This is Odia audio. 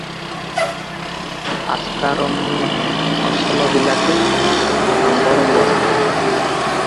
ଆସ୍କା ରମ୍ ନୁହେଁ, ଅସଲ ବିଲାତୀ, ନମ୍ବର ଉଆନ୍!